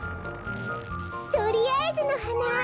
とりあえずのはな！